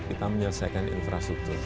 kita menyelesaikan infrastruktur